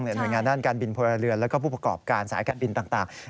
หน่วยงานด้านการบินพลเรือนและผู้ประกอบการสายการบินต่าง